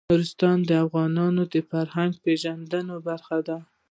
نورستان د افغانانو د فرهنګي پیژندنې برخه ده.